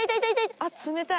あっ冷たい。